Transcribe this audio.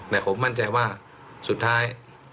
แต่ผมมั่นใจว่าสุดท้าย